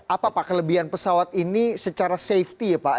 apa pak kelebihan pesawat ini secara safety ya pak